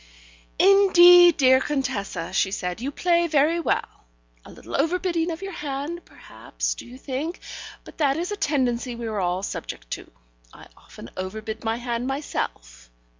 "Indeed, dear Contessa," she said, "you play very well. A little overbidding of your hand, perhaps, do you think? but that is a tendency we are all subject to: I often overbid my hand myself.